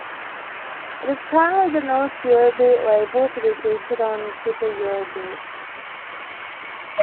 It is currently the newest Eurobeat label to be featured on Super Eurobeat.